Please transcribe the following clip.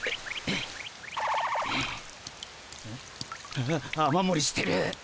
ああっ雨もりしてる。